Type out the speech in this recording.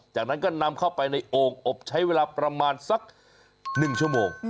จากนั้นก็นำเข้าไปในโอ่งอบใช้เวลาประมาณสัก๑ชั่วโมง